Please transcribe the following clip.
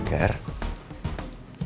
gue juga gak mau